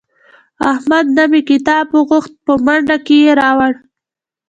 احمد نه مې کتاب وغوښت په منډه کې یې راوړ.